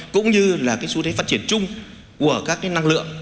cũng như là cái xu thế phát triển chung của các cái năng lượng